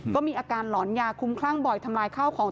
ก็มีอาการหลอนยาคุ้มคลั่งบ่อยทำลายข้าวของ